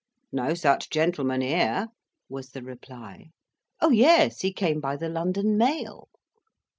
"No such gentleman here," was the reply. "Oh, yes, he came by the London mail."